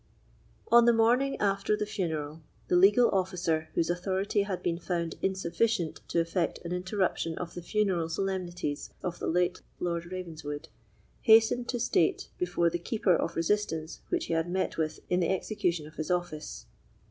On the morning after the funeral, the legal officer whose authority had been found insufficient to effect an interruption of the funeral solemnities of the late Lord Ravenswood, hastened to state before the Keeper the resistance which he had met with in the execution of his office.